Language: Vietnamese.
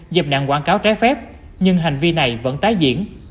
dẹp nạn quảng cáo trái phép nhưng hành vi này vẫn tái diễn